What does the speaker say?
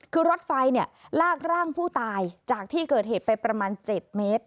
คือรถไฟลากร่างผู้ตายจากที่เกิดเหตุไปประมาณ๗เมตร